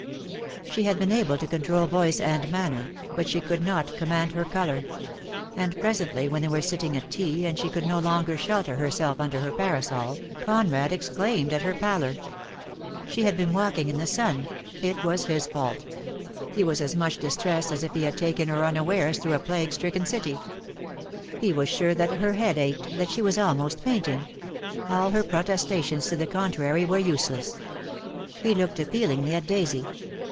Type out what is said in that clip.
She had been able to control voice and manner, but she could not command her colour; and pre sently when they were sitting at tea, and she could no longer shelter herself under her parasol, Conrad exclaimed at her pallor. She had been walking in the sun. It was his fault. He was as much dis tressed as if he had taken her unawares throiigh a plague stricken city. He was sure that her head ached, that she was almost fainting. All her pro testations to the contrary were useless. ■ He looked appealingly at Daisy.